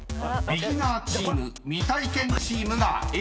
［ビギナーチーム未体験チームがＡ］